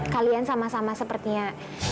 kalian sama sama sepertinya